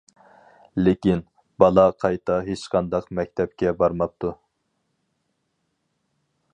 لېكىن، بالا قايتا ھېچقانداق مەكتەپكە بارماپتۇ.